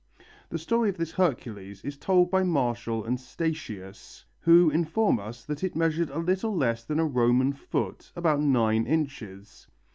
The story of this Hercules is told by Martial and Statius, who inform us that it measured a little less than a Roman foot, about nine inches.